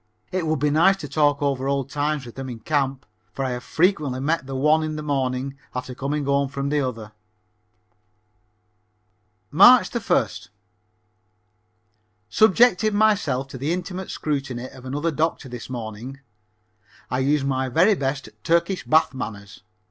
It would be nice to talk over old times with them in camp, for I have frequently met the one in the morning after coming home from the other. [Illustration: "THE DEPARTURE WAS MOIST"] March 1st. Subjected myself to the intimate scrutiny of another doctor this morning. I used my very best Turkish bath manners.